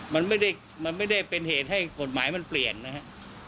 มันไม่ได้มันไม่ได้เป็นเหตุให้กฎหมายมันเปลี่ยนนะครับ